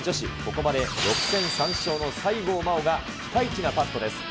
ここまで６戦３勝の西郷真央が、ピカイチなパットです。